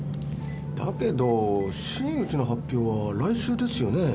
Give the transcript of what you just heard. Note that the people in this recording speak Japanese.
だけど真打ちの発表は来週ですよね？